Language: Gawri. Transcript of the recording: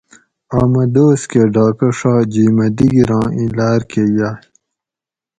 آمہ دوس کہۤ ڈاۤکہ ڛا جیمہ دیگیراں ایں لاۤرکہۤ یاۤئ